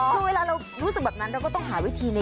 คือเวลาเรารู้สึกแบบนั้นเราก็ต้องหาวิธีนี้